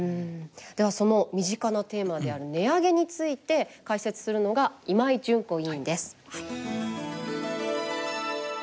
ではその身近なテーマである値上げについて解説するのが今井純子委員です。